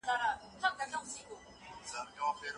لكه مرغۍ پر ونه ناسته وي تنهــا پــر پـاڼه